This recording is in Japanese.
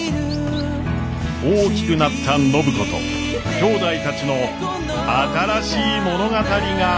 大きくなった暢子ときょうだいたちの新しい物語が始まります。